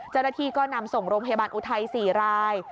เจ้าหน้าที่ก็นำส่งโรงพยาบาลอุทัย๔ราย